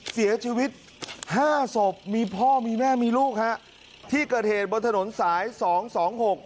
เสียชีวิตห้าศพมีพ่อมีแม่มีลูกฮะที่เกิดเหตุบนถนนสายสองสองหก